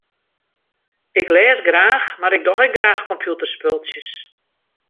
Ik lês graach mar ik doch ek graach kompjûterspultsjes.